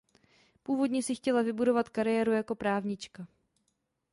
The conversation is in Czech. Původně si chtěla vybudovat kariéru jako právnička.